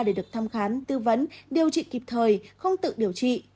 để được thăm khám tư vấn điều trị kịp thời không tự điều trị